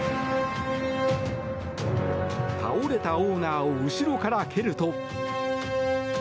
倒れたオーナーを後ろから蹴ると。